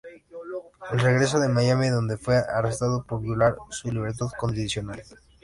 Él regresó a Miami, donde fue arrestado por violar su libertad condicional.